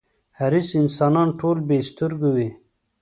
حریص انسانان ټول بې سترگو وي.